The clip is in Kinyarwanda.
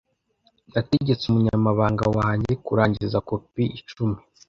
Nategetse umunyamabanga wanjye kurangiza kopi icumi.